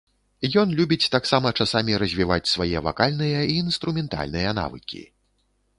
Ён любіць таксама часамі развіваць свае вакальныя і інструментальныя навыкі.